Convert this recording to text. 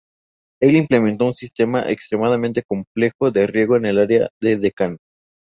El implemento un sistema extremadamente complejo de riego en el área de Deccan.